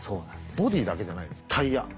ボディーだけじゃないんです。